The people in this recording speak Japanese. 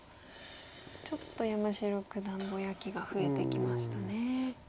ちょっと山城九段ぼやきが増えてきましたね。